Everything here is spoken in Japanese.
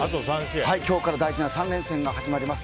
今日から大事な３連戦が始まります。